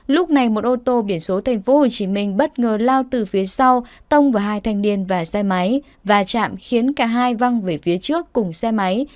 lúc này một ô tô biển số tp hcm bất ngờ lao từ phía sau tông vào hai thanh niên và xe máy và chạm khiến cả hai văng về phía trước cùng xe máy